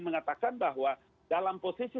mengatakan bahwa dalam posisi